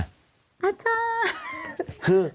อ่าจ้า